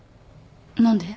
何で？